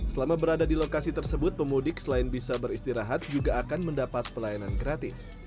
selama berada di lokasi tersebut pemudik selain bisa beristirahat juga akan mendapat pelayanan gratis